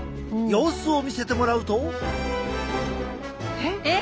様子を見せてもらうと。え？え？